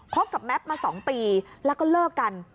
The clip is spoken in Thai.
กับแม็ปมา๒ปีแล้วก็เลิกกัน